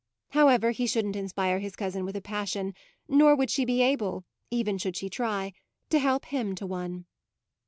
However, he shouldn't inspire his cousin with a passion, nor would she be able, even should she try, to help him to one.